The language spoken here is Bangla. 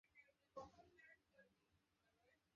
একবার জট পাকাতে শুরু করলে জট পাকানোর প্রক্রিয়া দ্রুত ঘটতে থাকে।